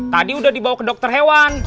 tadi udah dibawa ke dokter hewan